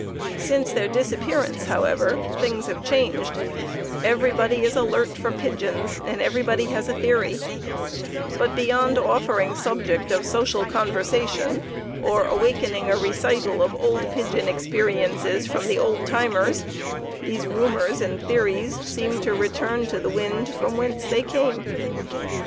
Since their disappearance, however, things have changed: everybody is alert for pigeons, and everybody has a theory; but beyond offering subject of social conversation, or awakening a recital of old pigeon experiences from the old timers, these rumors and theories seem to return to the winds from whence they came.